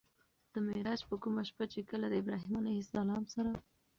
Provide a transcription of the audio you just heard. د معراج په کومه شپه چې کله د ابراهيم عليه السلام سره